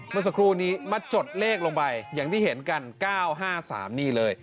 เมื่อสักครู่นี้มาจดเลขลงไปอย่างที่เห็นกัน๙๕๓นี่เลย